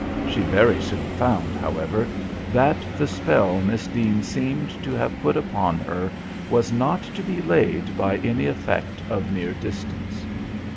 She very soon found, however, that the spell Miss Deane seemed to have put upon her was not to be laid by any effect of mere distance.